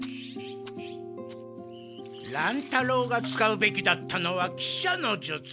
乱太郎が使うべきだったのは喜車の術。